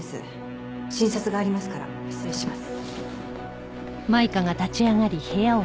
診察がありますから失礼します。